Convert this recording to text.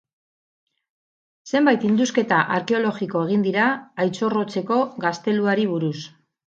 Zenbait indusketa arkeologiko egin dira Aitzorrotzeko gazteluari buruz.